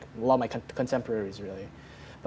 seperti banyak orang ketua saya